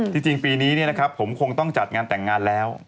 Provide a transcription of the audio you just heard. จริงปีนี้นะครับผมคงต้องจัดงานแต่งงานแล้ว